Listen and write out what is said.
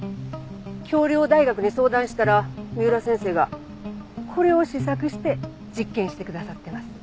京陵大学に相談したら三浦先生がこれを試作して実験してくださってます。